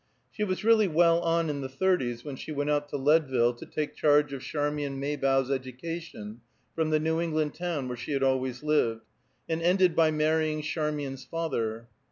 She was really well on in the thirties when she went out to Leadville to take charge of Charmian Maybough's education from the New England town where she had always lived, and ended by marrying Charmian's father.